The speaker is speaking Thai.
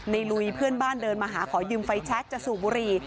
ลุยเพื่อนบ้านเดินมาหาขอยืมไฟแชคจะสูบบุหรี่